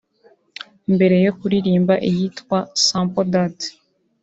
Mbere yo kuririmba iyitwa ‘Sample Dat’